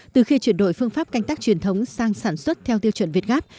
từ khi chuyển đổi phương pháp canh tác truyền thống sang sản xuất theo tiêu chuẩn việt gáp